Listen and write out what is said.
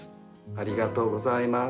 ありがとうございます。